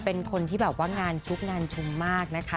เป็นคนที่แบบว่างานชุกงานชุมมากนะคะ